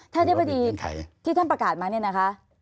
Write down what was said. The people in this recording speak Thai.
อธิบดีที่ท่านประกาศมาเนี่ยนะคะ